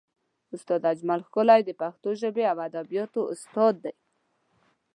استاد اجمل ښکلی د پښتو ژبې او ادبیاتو استاد دی.